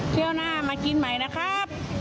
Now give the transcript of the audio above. ช่วงหน้ามากินใหม่นะครับ